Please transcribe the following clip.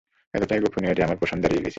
এতটাই গোপনীয় যে আমার পশম দাঁড়িয়ে গিয়েছিল!